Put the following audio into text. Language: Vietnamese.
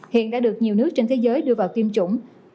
hiện đã được nhiều nước trên thế giới đưa vào tiêm chủng